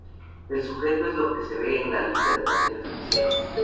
El sujeto es lo que se ve en la lista de canciones oficial.